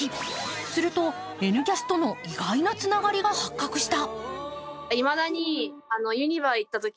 すると、「Ｎキャス」との意外なつながりが発覚した。